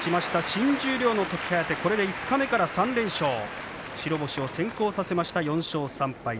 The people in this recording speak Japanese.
新十両の時疾風、五日目から３連勝、白星を先行させました。